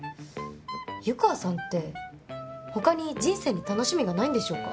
湯川さんって他に人生に楽しみがないんでしょうか？